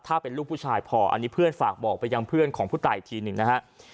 ถ้าเป็นลูกผู้ชายพออันนี้เพื่อนฝากบอกไปยังเพื่อนของผู้ตายอีกทีหนึ่งนะฮะ